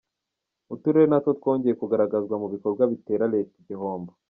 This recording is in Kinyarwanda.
Uturere natwo twongeye kugaragazwa mu bikorwa bitera Leta igihombo.